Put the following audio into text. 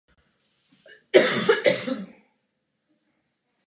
Po svém zařazení do služby byla vlajkovou lodí námořnictva.